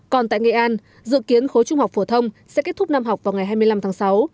còn tại nghệ an dự kiến khối trung học phổ thông sẽ kết thúc năm học vào ngày hai mươi năm tháng sáu